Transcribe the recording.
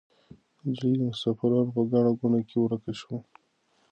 نجلۍ د مسافرانو په ګڼه ګوڼه کې ورکه شوه.